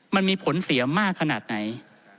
มันมีผลเสียมากขนาดไหน